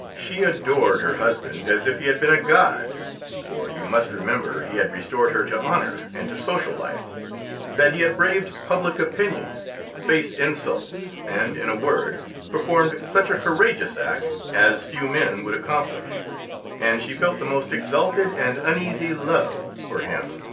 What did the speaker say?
] "She adored her husband as if he had been a god, for, you must remember, he had restored her to honor and to social life, that he had braved public opinion, faced insults, and, in a word, performed such a courageous act, as few men would accomplish, and she felt the most exalted and uneasy love for him.